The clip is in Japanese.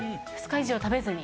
２日以上食べずに？